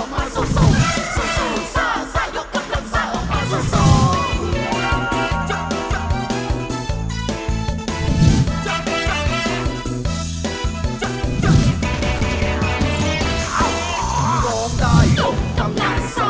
ร้องได้ยกกำลังซ่า